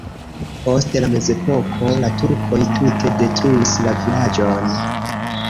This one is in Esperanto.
Post la mezepoko la turkoj tute detruis la vilaĝon.